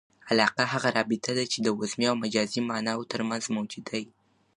علاقه هغه رابطه ده، چي د وضمي او مجازي ماناوو ترمنځ موجوده يي.